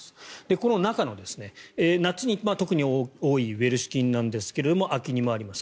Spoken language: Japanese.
この中の夏に特に多いウエルシュ菌なんですが秋にもあります。